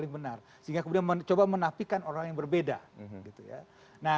sehingga menapikan orang yang berbeda